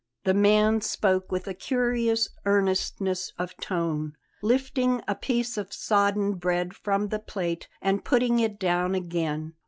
The man spoke with a curious earnestness of tone, lifting a piece of sodden bread from the plate and putting it down again.